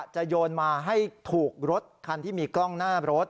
โยนมาให้ถูกรถคันที่มีกล้องหน้ารถ